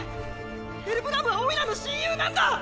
ヘルブラムはおいらの親友なんだ！